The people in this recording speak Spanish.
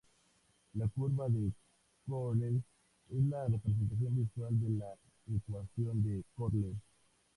La curva de Köhler es la representación visual de la ecuación de Köhler.